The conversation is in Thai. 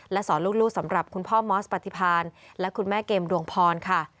สอนลูกสำหรับคุณพ่อมอสปฏิพาณและคุณแม่เกมดวงพรค่ะ